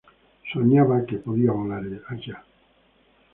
Soñaba que podía volar allá.